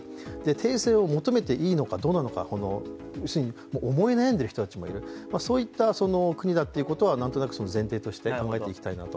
停戦を求めていいのかどうか、思い悩んでいる人たちもいる、そういった国だということはなんとなく前提として考えていきたいなと。